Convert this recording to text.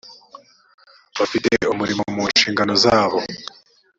bafite umurimo mu nshingano zabo .